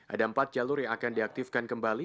ada empat jalur yang akan diaktifkan kembali